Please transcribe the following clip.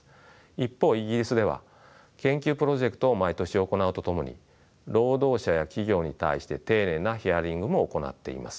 一方イギリスでは研究プロジェクトを毎年行うとともに労働者や企業に対して丁寧なヒアリングも行っています。